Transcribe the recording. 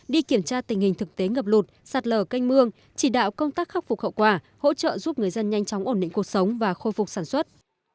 đi kiểm tra tình hình thực tế ngập lụt sạt lở canh mương chỉ đạo công tác khắc phục hậu quả hỗ trợ giúp người dân nhanh chóng ổn định cuộc sống và khôi phục sản xuất